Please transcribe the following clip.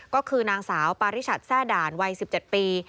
ก็คือนางสาวปาริชัดแทร่ด่านวัย๑๗ปี